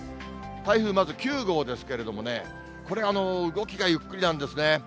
台風、まず９号ですけれどもね、これ、動きがゆっくりなんですね。